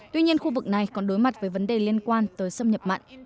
tuy nhiên khu vực này còn đối mặt với vấn đề liên quan tới xâm nhập mặn